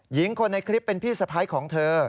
หญิงคนในคลิปเป็นพี่สะพ้ายของเธอ